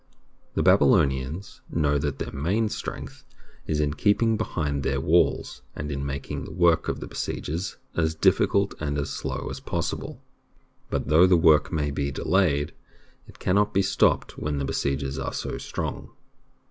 The Babylonians know that their main strength is in keeping behind their walls and in making the work of the besiegers as difficult and as slow as possible. But though the work may be delayed, it cannot be stopped when the besiegers are so strong.